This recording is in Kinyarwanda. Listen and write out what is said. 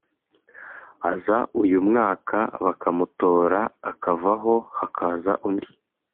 aza uyu mwaka bakamutora akavaho hakaza undi